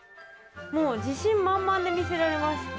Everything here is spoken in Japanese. もう自信満々で見せられます